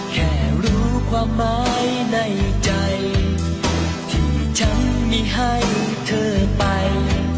แค่รู้ความหมายในใจที่ฉันมีให้เธอไป